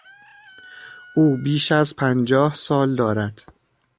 او بیش از پنجاه سال دارد.